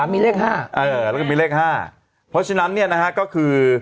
มีเลข๕เออแล้วก็มีเลข๕เพราะฉะนั้นเนี่ยนะฮะก็คือ